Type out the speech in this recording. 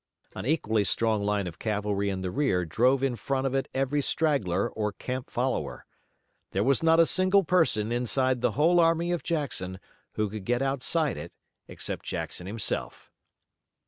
An equally strong line of cavalry in the rear drove in front of it every straggler or camp follower. There was not a single person inside the whole army of Jackson who could get outside it except Jackson himself.